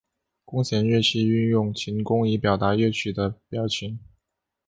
弓弦乐器运用琴弓以表达乐曲的表情。